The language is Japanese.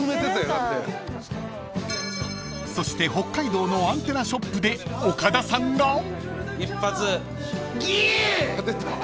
［そして北海道のアンテナショップで岡田さんが］